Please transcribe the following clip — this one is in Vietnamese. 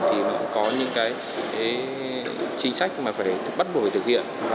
thì có những cái chính sách mà phải bắt buộc thực hiện